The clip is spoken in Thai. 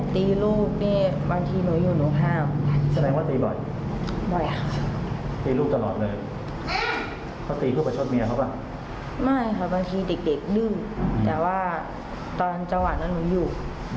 เด็กดื้อแต่ว่าตอนจังหวะนั้นหนูอยู่